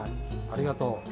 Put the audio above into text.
ありがとう。